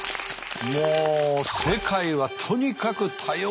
もう世界はとにかく多様性